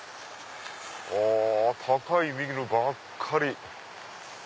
高いビルばっかり。